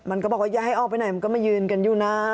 มันก็บอกว่าอย่าให้ออกไปไหนมันก็มายืนกันอยู่นะ